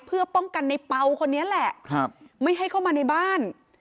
เพื่อป้องกันในเปล่าคนนี้แหละครับไม่ให้เข้ามาในบ้าน